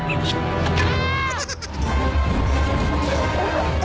あ！